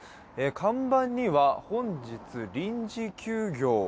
看板には本日臨時休業。